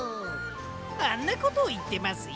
あんなことをいってますよ。